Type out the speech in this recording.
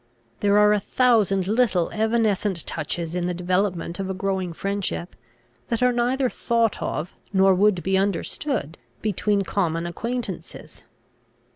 There are a thousand little evanescent touches in the development of a growing friendship, that are neither thought of, nor would be understood, between common acquaintances.